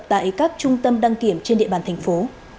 tại các trung tâm đăng kiểm trên địa bàn thành phố